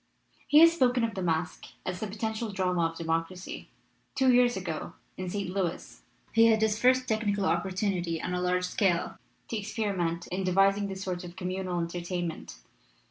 He has spoken of the masque as "the potential drama of democracy." Two years ago in St. Louis he had his first technical opportunity on a large scale to experiment in de vising this sort of communal entertainment.